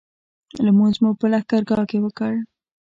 لمونځ مو په لښکرګاه کې وکړ.